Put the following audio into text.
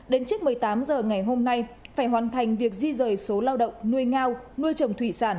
đến trước một mươi tám h ngày hôm nay phải hoàn thành việc di rời số lao động nuôi ngao nuôi trồng thủy sản